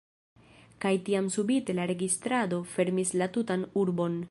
kaj tiam subite la registrado fermis la tutan urbon.